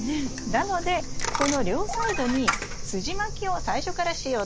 なのでこの両サイドにすじまきを最初からしようと思います。